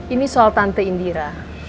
ini soal tante indira